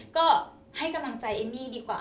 ก็ให้กำลังใจเอมมี่ดีกว่า